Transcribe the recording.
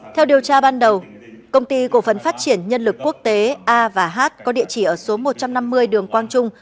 theo điều tra ban đầu công ty cổ phấn phát triển nhân lực quốc tế a và h có địa chỉ ở số một trăm năm mươi đường quang trung